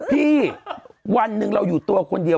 พี่วันหนึ่งเราอยู่ตัวคนเดียว